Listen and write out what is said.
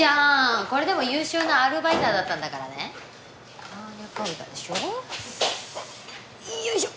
これでも優秀なアルバイターだったんだからねバーニャカウダでしょよいしょ